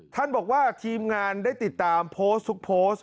ท่านบอกว่าทีมงานได้ติดตามโพสต์ทุกโพสต์